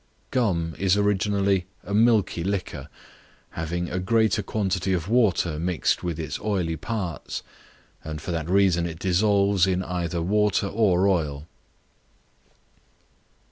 Gum is originally a milky liquor, having a greater quantity of water mixed with its oily parts, and for that reason it dissolves in either water or oil.